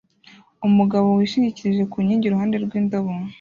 Umugabo wishingikirije ku nkingi iruhande rw'indobo